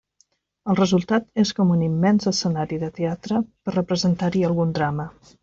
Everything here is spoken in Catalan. El resultat és com un immens escenari de teatre per representar-hi algun drama.